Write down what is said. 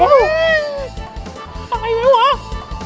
ตายไปหมด